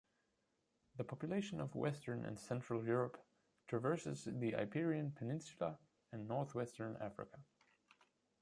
The population of Western and Central Europe traverses the Iberian peninsula and northwestern Africa.